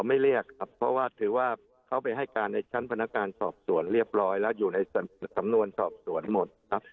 ไม่เรียกครับเพราะว่าถือว่าเขาไปให้การในชั้นพนักงานสอบสวนเรียบร้อยแล้วอยู่ในสำนวนสอบสวนหมดครับ